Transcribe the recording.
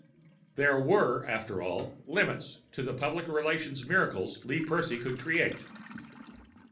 There were, after all, limits to the public relations miracles Lee Percy could create.